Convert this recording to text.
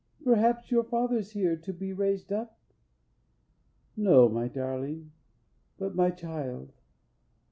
perhaps your father's here To be raised up?" "No darling, but my child."